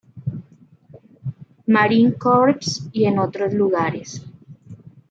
Marine Corps y en otros lugares.